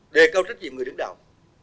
để cao trách nhiệm người đứng đầu